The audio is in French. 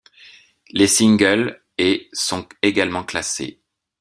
Les singles ',' et ' sont également classés.